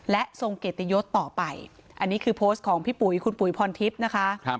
และทรงเกียรติยศต่อไปอันนี้คือโพสต์ของพี่ปุ๋ยคุณปุ๋ยพรทิพย์นะคะ